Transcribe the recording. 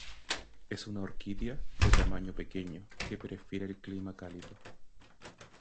Es una orquídea de tamaño pequeño que prefiere el clima cálido.